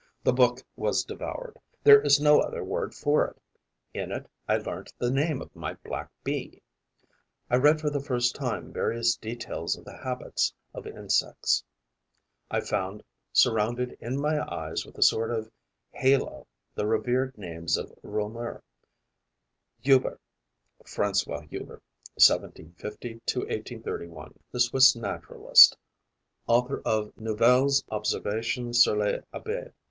The book was devoured; there is no other word for it. In it, I learnt the name of my black Bee; I read for the first time various details of the habits of insects; I found, surrounded in my eyes with a sort of halo, the revered names of Reaumur, Huber (Francois Huber (1750 1831), the Swiss naturalist, author of "Nouvelles observations sur les abeilles."